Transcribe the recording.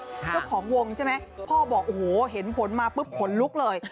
เจ้าของวงใช่ไหมพ่อบอกโอ้โหเห็นผลมาปุ๊บขนลุกเลย